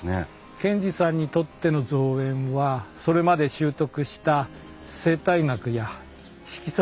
賢治さんにとっての造園はそれまで修得した生態学や色彩